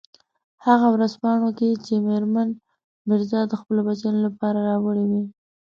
هغه ورځپاڼو کې چې میرمن مېرز د خپلو بچیانو لپاره راوړي وې.